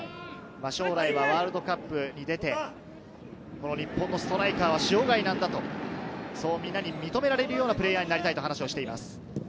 将来はワールドカップに出て、この日本のストライカーは塩貝なんだと、そうみんなに認められるようなプレーヤーになりたいと話をしています。